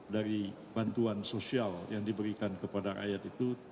dari bantuan sosial yang diberikan kepada rakyat itu